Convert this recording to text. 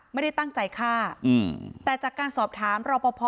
ไม่ได้ตั้งใจฆ่าแต่จากการสอบถามรอปภ